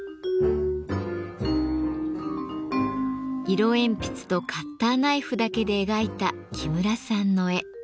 色鉛筆とカッターナイフだけで描いた木村さんの絵。